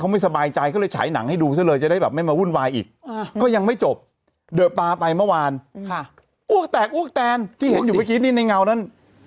มาไปเมื่อวานค่ะอ้วกแตกอ้วกแตนที่เห็นอยู่เมื่อกี้นี่ในเงานั้น